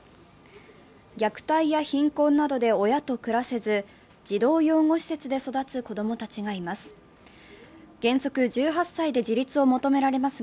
虐待や貧困などで親と暮らせず児童養護施設で育つ子供たちがいます。